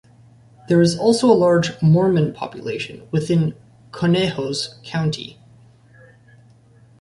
There is also a large Mormon population within Conejos County.